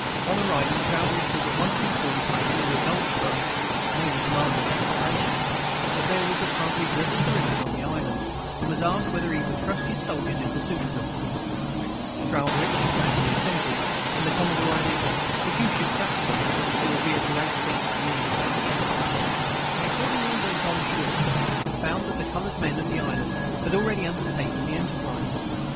On arriving, Trowbridge was at once informed by Commodore Goldsborough, naval commander at that station, that there was a party of rebel guerillas on the island, and was asked whether he would trust his soldiers in pursuit of them. Trowbridge gladly assented; and the Commodore added, "If you should capture them, it will be a great thing for you." They accordingly went on shore, and found that the colored men of the island had already undertaken the enterprise.